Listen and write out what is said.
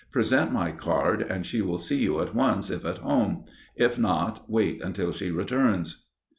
Present my card, and she will see you at once if at home. If not, wait until she returns."